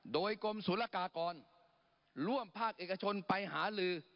โดยกรมศูนยากากรร่วมภาคเอกชนไปหาลือ